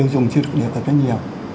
được được rất nhiều